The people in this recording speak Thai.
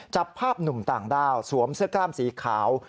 จับภาพหนุ่มต่างด้าวสวมเสื้อกล้ามสีขาว